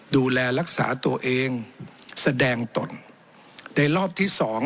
ดูแลรักษาตัวเองแสดงตนในรอบที่๒